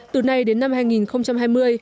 từ nay đến năm hai nghìn hai mươi